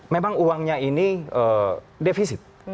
memang uangnya ini defisit